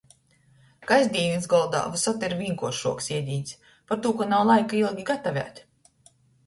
Kasdīnys goldā vysod ir vīnkuoršuoks iedīņs, partū ka nav laika ilgi gatavēt.